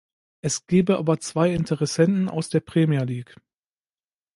Es gebe aber zwei Interessenten aus der Premier League.